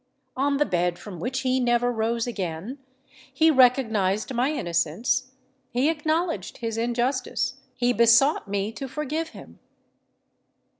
On the bed from which he never rose again, he recognised my innocence—he acknowledged his injustice—he besought me to forgive him!"